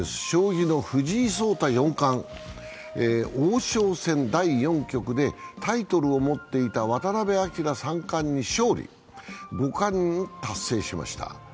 将棋の藤井聡太四冠、王将戦第４局でタイトルを持っていた渡辺明三冠に勝利、五冠を達成しました。